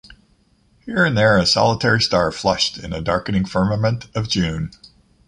Here and there, a solitary star flushed in the darkening firmament of June.